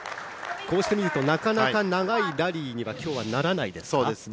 こうして見るとなかなか長いラリーには今日はならないですか。